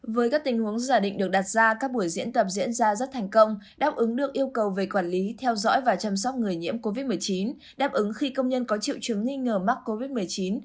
với các tình huống giả định được đặt ra các buổi diễn tập diễn ra rất thành công đáp ứng được yêu cầu về quản lý theo dõi và chăm sóc người nhiễm covid một mươi chín đáp ứng khi công nhân có triệu chứng nghi ngờ mắc covid một mươi chín